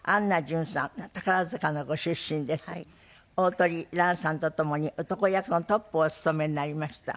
鳳蘭さんとともに男役のトップをお務めになりました。